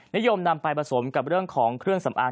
นิยมนำไปผสมกับเรื่องของเครื่องสำอาง